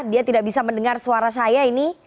dia tidak bisa mendengar suara saya ini